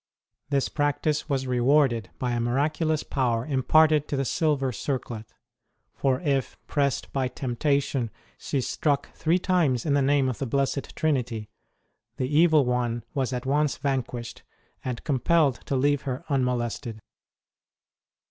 This practice was rewarded by a miraculous power imparted to the silver circlet; for if, pressed by temptation, she struck three times in the Name of the Blessed Trinity, the Evil One was at once vanquished and compelled to leave her unmo lested.